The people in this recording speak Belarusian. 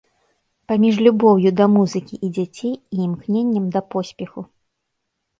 Паміж любоўю да музыкі і дзяцей і імкненнем да поспеху.